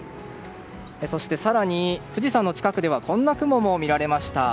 そして、更に富士山の近くではこんな雲も見られました。